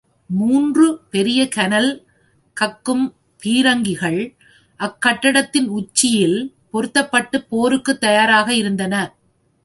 மூன்று பெரிய கனல் கக்கும் பீரங்கிகள் அக்கட்டடத்தின் உச்சியில் பொருத்தப் பட்டுப் போருக்குத் தயாராக இருந்தன.